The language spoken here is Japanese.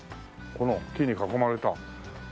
この木に囲まれた。